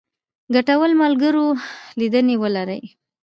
ګټورو ملګرو لیدنې ولرئ.